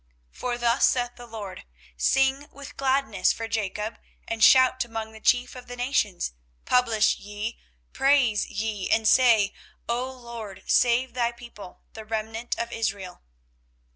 24:031:007 For thus saith the LORD; Sing with gladness for Jacob, and shout among the chief of the nations: publish ye, praise ye, and say, O LORD, save thy people, the remnant of Israel.